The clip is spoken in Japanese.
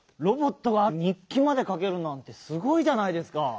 ロボットが日記までかけるなんてすごいじゃないですか。